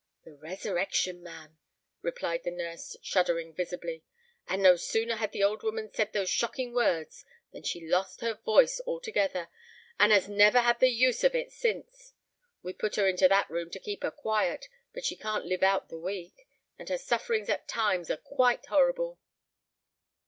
"The Resurrection Man," replied the nurse, shuddering visibly. "And no sooner had the old woman said those shocking words, than she lost her voice altogether, and has never had the use of it since. We put her into that room to keep her quiet; but she can't live out the week—and her sufferings at times are quite horrible."